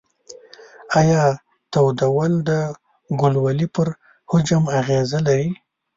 ایا تودول د ګلولې پر حجم اغیزه لري؟